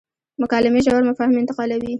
مکالمې ژور مفاهیم انتقالوي.